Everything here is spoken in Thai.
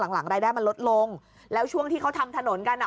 หลังใดมันลดลงแล้วช่วงที่เขาทำถนนกัน